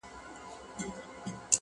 • نه شاهین د تورو غرو نه تور بلبل سوې,